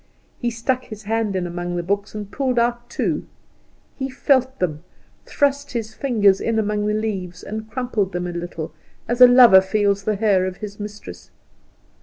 He stuck his hand in among the books, and pulled out two. He felt them, thrust his fingers in among the leaves, and crumpled them a little, as a lover feels the hair of his mistress.